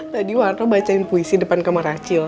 tadi warno bacain puisi depan kamar acil